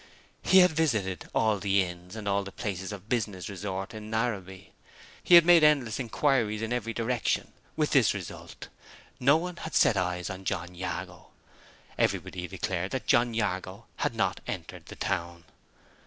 He had visited all the inns, and all the places of business resort in Narrabee; he had made endless inquiries in every direction, with this result no one had set eyes on John Jago. Everybody declared that John Jago had not entered the town.